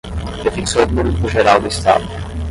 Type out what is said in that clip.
defensor público-geral do Estado